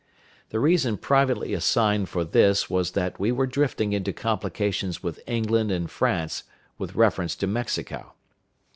The reason privately assigned for this was that we were drifting into complications with England and France with reference to Mexico.